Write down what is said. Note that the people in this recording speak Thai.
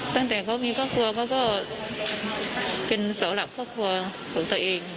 ตั้งแต่เขามีครอบครัวเขาก็เป็นเสาหลักครอบครัวของตัวเอง